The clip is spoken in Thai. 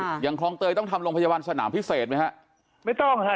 นี่ยังต้องทำรุงพยวร์สนามพิเศษป่ะฮะไม่ต้องฮะ